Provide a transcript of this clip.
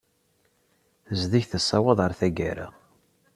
Tezdeg tessawaḍ ɣer taggara.